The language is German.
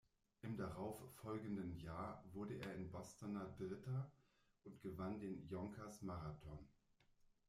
Im darauf folgenden Jahr wurde er in Boston Dritter und gewann den Yonkers-Marathon.